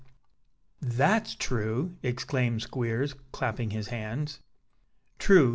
"That's true," exclaimed Squeers, clapping his hands. "True!